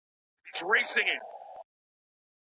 خاوند د خلعي په اساس له هغې څخه عوض اخلي او سره بيليږي.